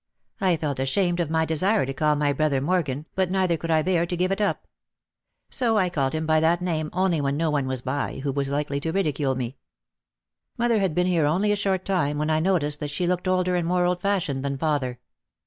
I felt ashamed of my desire to call my brother Morgan but neither could I bear to give it up. So I called him by that name only when no one was by who was likely to ridicule me. Mother had been here only a short time when I noticed that she looked older and more old fashioned than father.